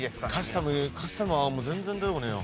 カスタムは全然出てこねえよ。